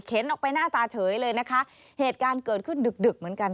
ออกไปหน้าตาเฉยเลยนะคะเหตุการณ์เกิดขึ้นดึกดึกเหมือนกัน